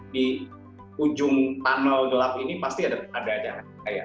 di ujung tanau gelap ini pasti ada ajaran kaya